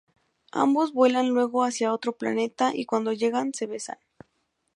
Ambos vuelan luego hacia otro planeta y cuando llegan, se besan.